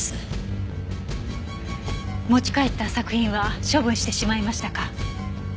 持ち帰った作品は処分してしまいましたか？